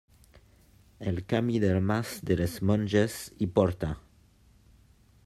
El camí del Mas de les Monges hi porta.